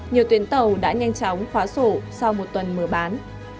nhiều tuyến tàu đã nhanh chóng khóa sổ sau một tuần mở bán